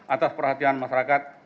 atas perhatian masyarakat